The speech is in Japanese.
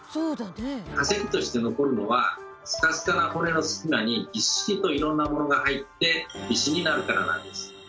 化石として残るのはスカスカな骨の隙間にぎっしりといろんなものが入って石になるからなんです。